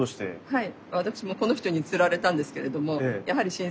はい。